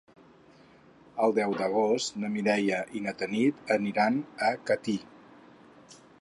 El deu d'agost na Mireia i na Tanit aniran a Catí.